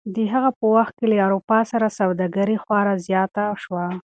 د هغه په وخت کې له اروپا سره سوداګري خورا زیاته شوه.